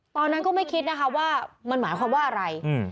ตอนนั้นก็ไม่คิดนะคะว่ามันหมายความว่าอะไร